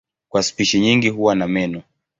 Kwa spishi nyingi huwa na meno.